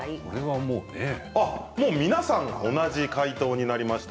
もう皆さん、同じ解答になりました。